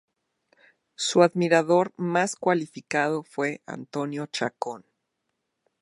Su admirador más cualificado fue Antonio Chacón.